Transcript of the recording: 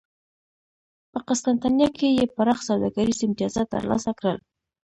په قسطنطنیه کې یې پراخ سوداګریز امتیازات ترلاسه کړل